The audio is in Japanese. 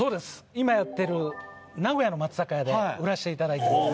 今やってる名古屋の松坂屋で売らしていただいてます・